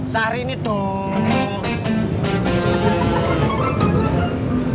sehari ini tuh